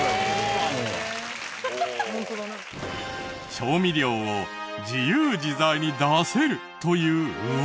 調味料を自由自在に出せる！というウワサ。